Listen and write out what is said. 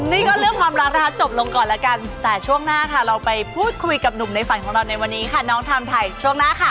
นี่ก็เรื่องความรักนะคะจบลงก่อนแล้วกันแต่ช่วงหน้าค่ะเราไปพูดคุยกับหนุ่มในฝันของเราในวันนี้ค่ะน้องไทม์ไทยช่วงหน้าค่ะ